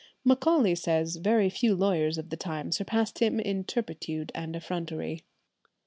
Macaulay says very few lawyers of the time surpassed him in turpitude and effrontery.